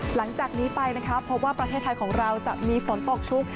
หลังจากนี้ไปนะคะพบว่าประเทศไทยของเราจะมีฝนตกชุก